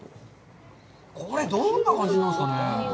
これ、どんな感じなんですかね。